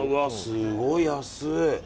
すごい安い。